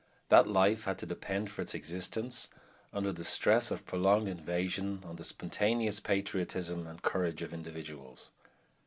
That life had to depend for its existence, under the stress of prolonged invasion, on the spontaneous patriotism and courage of individuals.